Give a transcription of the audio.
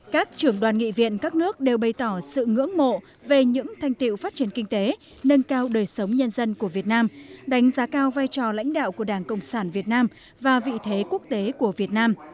các trưởng đoàn nghị viện các nước đều bày tỏ sự ngưỡng mộ về những thành tiệu phát triển kinh tế nâng cao đời sống nhân dân của việt nam đánh giá cao vai trò lãnh đạo của đảng cộng sản việt nam và vị thế quốc tế của việt nam